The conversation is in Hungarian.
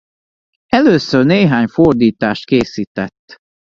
Először néhány fordítást készített.